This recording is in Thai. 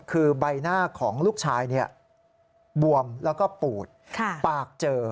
คือใบหน้าของลูกชายบวมแล้วก็ปูดปากเจอ